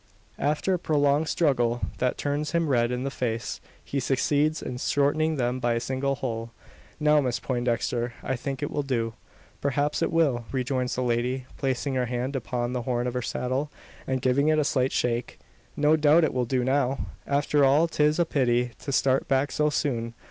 After a prolonged struggle, that turns him red in the face, he succeeds in shortening them by a single hole. "Now, Miss Poindexter; I think it will do." "Perhaps it will," rejoins the lady, placing her hand upon the horn of her saddle, and giving it a slight shake. "No doubt it will do now. After all 'tis a pity to start back so soon.